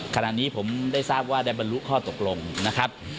ขณะนี้ผมได้ทราบว่าได้บรรลุข้อตกลงนะครับ